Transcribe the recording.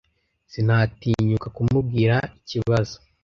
Sinatinyuka kumubwira ikibazo.